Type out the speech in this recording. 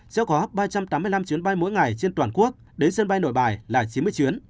sẽ có ba trăm tám mươi năm chuyến bay mỗi ngày trên toàn quốc đến sân bay nội bài là chín mươi chuyến